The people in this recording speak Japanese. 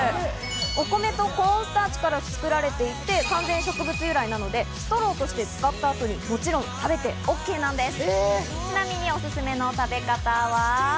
お米とコーンスターチから作られていて、完全植物由来なので、ストローとして使ったあとに、もちろん食べてＯＫなんです。